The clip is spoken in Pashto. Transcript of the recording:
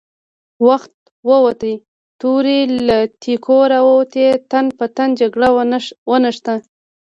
وخت ووت، تورې له تېکو را ووتې، تن په تن جګړه ونښته!